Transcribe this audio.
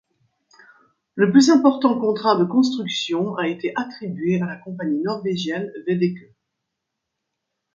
Le plus important contrat de construction a été attribué à la compagnie norvégienne Veidekke.